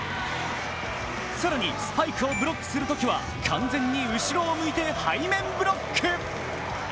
更に、スパイクをブロックするときは完全に後ろを向いて背面ブロック。